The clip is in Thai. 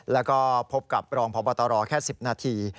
แล้วก็พบกับรองพบตรแค่๑๐นาที